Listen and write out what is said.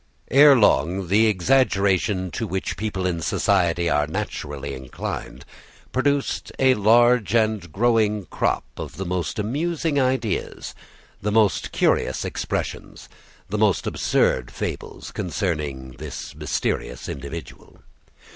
Ere long the exaggeration to which people in society are naturally inclined, produced a large and growing crop of the most amusing ideas, the most curious expressions, the most absurd fables concerning this mysterious individual.